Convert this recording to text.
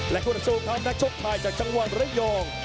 และคู่หน้าสู้เขานักชกไทยจากจังหวัดเรยอง